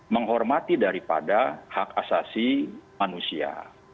menghormati daripada hak asasi manusia